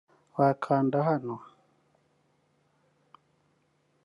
wakanda hano http